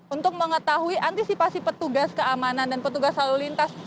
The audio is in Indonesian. untuk mengetahui antisipasi petugas keamanan dan petugas lalu lintas